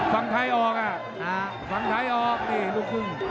ฝั่งไทยออกอ่ะฝั่งไทยออกนี่ลูกครึ่ง